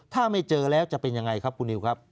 ถ้าไม่เจอแล้วจะเป็นยังไงครับคุณนิวครับ